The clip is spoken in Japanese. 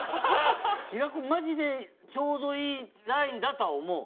平子マジでちょうどいいラインだとは思う。